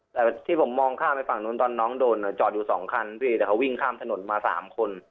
แต่ที่ผมมองข้ามไปฝั่งนู้นตอนน้องโดนจอดอยู่สองคันพี่แต่เขาวิ่งข้ามถนนมา๓คน